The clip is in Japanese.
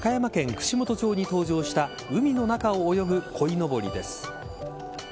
串本町に登場した海の中を泳ぐこいのぼりです。